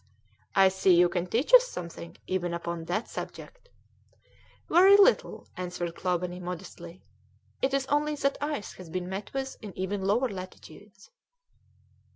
"I see you can teach us something, even upon that subject." "Very little," answered Clawbonny modestly; "it is only that ice has been met with in even lower latitudes."